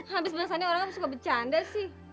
habis bang sani orangnya suka bercanda sih